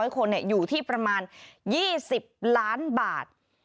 ๐คนอยู่ที่ประมาณ๒๐ล้านบาท